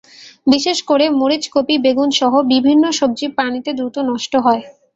বিশেষ করে মরিচ, কপি, বেগুনসহ বিভিন্ন সবজি পানিতে দ্রুত নষ্ট হয়।